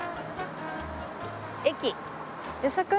駅。